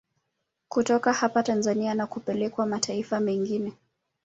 Kutoka hapa Tanzania na kupelekwa mataifa mengine